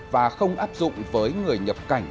và không áp dụng với người nhập cảnh